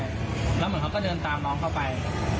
แล้วเหมือนเขาก็เดินตามน้องเข้าไป